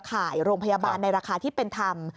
ขายโรงพยาบาลในราคาที่เป็นธรรม